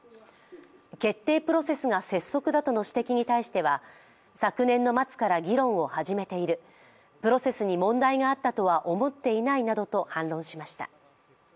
決定プロセスが拙速だとの指摘に対しては昨年の末から議論を始めている、プロセスに問題があったとは思っていないなどと反論しました。